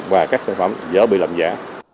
và các sản phẩm dỡ bị lầm giả